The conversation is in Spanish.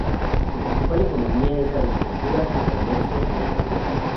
Su principal economía es la agricultura, el comercio y la minería.